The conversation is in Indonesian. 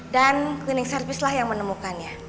dan klinik servislah yang menemukannya